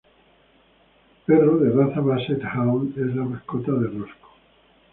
Perro de raza Basset Hound, es la mascota de Rosco.